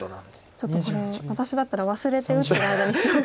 ちょっとこれ私だったら忘れて打ってる間にシチョウが。